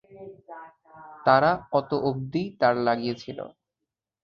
তারা অত অব্ধিই তার লাগিয়েছিল।